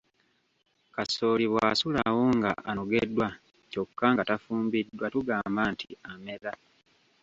Kasooli bw’asulawo nga anogeddwa kyokka nga tafumbiddwa tugamba nti amera.